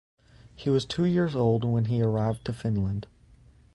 He was two years old when he arrived to Finland.